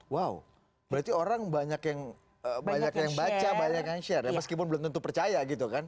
wow berarti orang banyak yang baca banyak yang share ya meskipun belum tentu percaya gitu kan